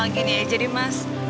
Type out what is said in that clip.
gini aja deh mas